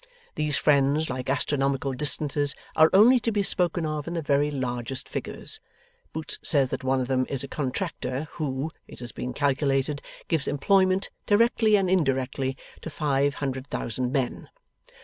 These friends, like astronomical distances, are only to be spoken of in the very largest figures. Boots says that one of them is a Contractor who (it has been calculated) gives employment, directly and indirectly, to five hundred thousand men.